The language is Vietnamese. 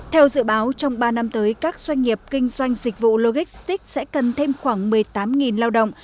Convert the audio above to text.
theo dự báo trong ba năm tới các doanh nghiệp kinh doanh dịch vụ logistics sẽ cần thêm khoảng một mươi tám lao động